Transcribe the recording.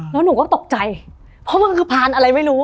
แล้วหนูก็ตกใจเพราะมันคือพานอะไรไม่รู้